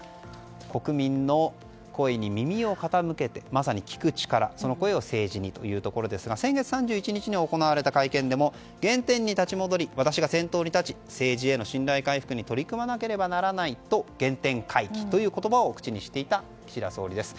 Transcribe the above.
国民の声に耳を傾けてまさに聞く力その声を政治にというところですが先月３１日に行われた会見でも原点に立ち戻り私が先頭に立ち政治への信頼回復に取り組まなければならないと原点回帰という言葉を口にしていた岸田総理です。